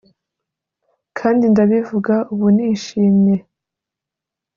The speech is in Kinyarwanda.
kandi ndabivuga ubu nishimye.